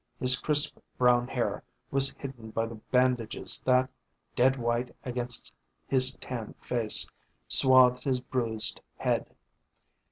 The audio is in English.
His crisp brown hair was hidden by the bandages that, dead white against his tanned face, swathed his bruised head.